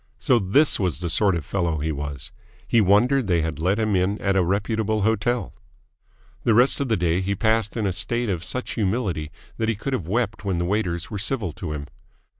So this was the sort of fellow he was! He wondered they had let him in at a reputable hotel. The rest of the day he passed in a state of such humility that he could have wept when the waiters were civil to him.